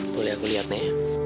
boleh aku lihat ma